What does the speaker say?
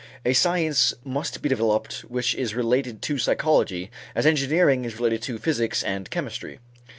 A science must be developed which is related to psychology as engineering is related to physics and chemistry.